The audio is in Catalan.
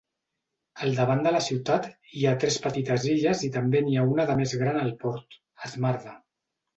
Al davant de la ciutat hi ha tres petites illes i també n'hi ha una de més gran al port, Smarda.